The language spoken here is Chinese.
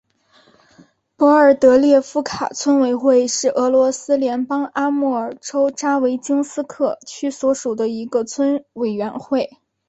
博尔德列夫卡村委员会是俄罗斯联邦阿穆尔州扎维京斯克区所属的一个村委员会。